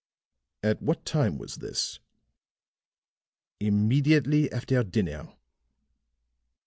"At what time was this?" "Immediately after dinner."